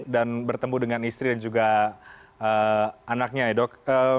dan bertemu dengan istri dan juga anaknya ya dok